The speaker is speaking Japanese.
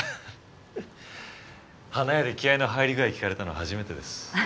花屋で気合の入り具合聞かれたの初めてです。